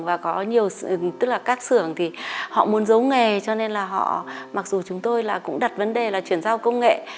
và có nhiều tức là các xưởng thì họ muốn giấu nghề cho nên là họ mặc dù chúng tôi là cũng đặt vấn đề là chuyển giao công nghệ